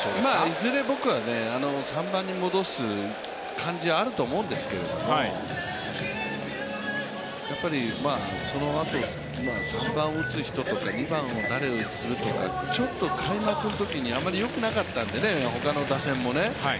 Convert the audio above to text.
いずれ僕は３番に戻す感じがあるんだと思うんですけれども、そのあと３番を打つ人とか２番を誰打つとかちょっと開幕のときにあまりよくなかったんでねほかの打線もね。